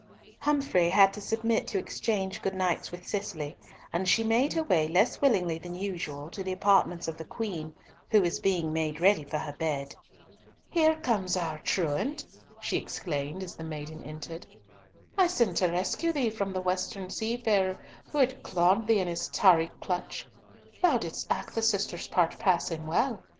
Humfrey had to submit to exchange good nights with Cicely, and she made her way less willingly than usual to the apartments of the Queen, who was being made ready for her bed. "Here comes our truant," she exclaimed as the maiden entered. "I sent to rescue thee from the western seafarer who had clawed thee in his tarry clutch. Thou didst act the sister's part passing well.